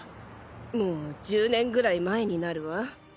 もう１０年ぐらい前になるわ。